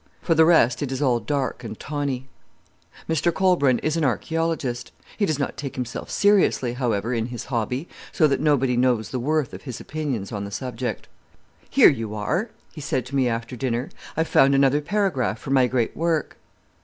For the rest, it is all dark and tawny. Mr Colbran is an archæologist. He does not take himself seriously, however, in his hobby, so that nobody knows the worth of his opinions on the subject. "Here you are," he said to me after dinner, "I've found another paragraph for my great work."